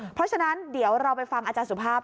เพราะฉะนั้นเดี๋ยวเราไปฟังอาจารย์สุภาพ